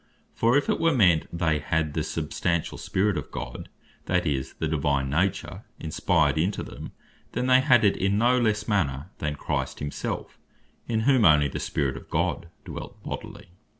For if it were meant they had the substantial Spirit of God; that is, the Divine nature, inspired into them, then they had it in no lesse manner than Christ himself, in whom onely the Spirit of God dwelt bodily.